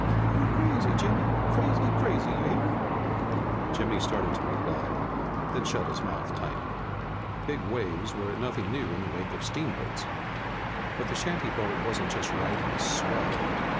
"You're crazy, Jimmy! Crazy, crazy, you hear?" Jimmy started to reply, then shut his mouth tight. Big waves were nothing new in the wake of steamboats, but the shantyboat wasn't just riding a swell.